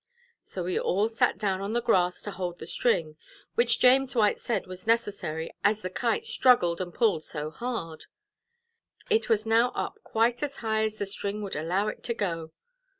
So we all sat down on the grass to hold the string, which James White said was necessary, as the Kite struggled and pulled so hard. It was now up quite as high as the string would allow it to go.